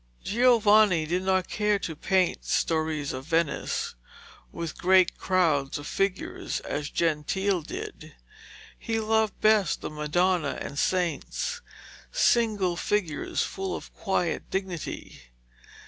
Giovanni did not care to paint stories of Venice, with great crowds of figures, as Gentile did. He loved best the Madonna and saints, single figures full of quiet dignity.